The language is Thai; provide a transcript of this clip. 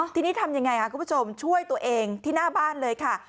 ทีนี้ทำยังไงค่ะคุณผู้ชมช่วยตัวเองที่หน้าบ้านเลยค่ะ